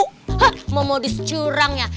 hah mau modus curang ya